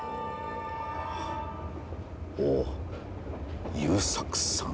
おお優作さん。